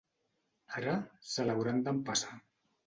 Ara se l'hauran d'empassar.